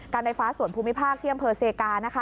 การไฟฟ้าส่วนภูมิภาคที่อำเภอเซกา